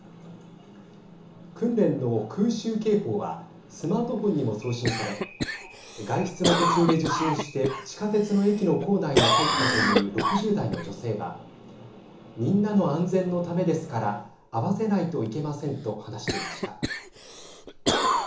訓練の空襲警報はスマートフォンにも送信され外出の途中で受信して地下鉄の駅の構内に入ったという６０代の女性はみんなの安全のためですから合わせないといけませんと話していました。